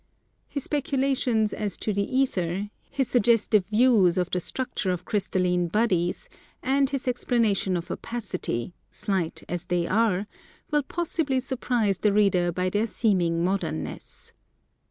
His speculations as to the ether, his suggestive views of the structure of crystalline bodies, and his explanation of opacity, slight as they are, will possibly surprise the reader by their seeming modernness.